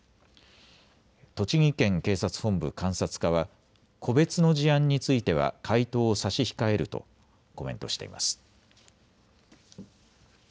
栃木県警察本部監察課は個別の事案については回答を差し控えるとコメントしています。